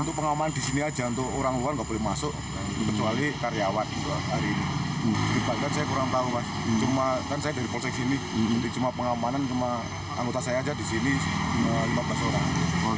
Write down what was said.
kurang tahu cuma kan saya dari polsek sini ini cuma pengamanan cuma anggota saya aja disini lima belas orang